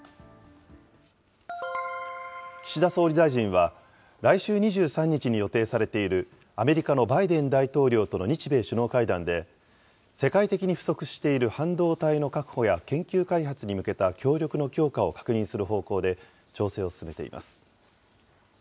岸田総理大臣は、来週２３日に予定されているアメリカのバイデン大統領との日米首脳会談で、世界的に不足している半導体の確保や研究開発に向けた協力の強化を確認する方向で調整を進めています。